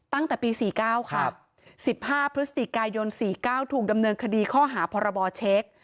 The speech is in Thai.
ตั้งแต่ปี๔๙ค่ะ๑๕พฤศจิกายน๔๙ถูกดำเนินคดีข้อหาพรบเช็ค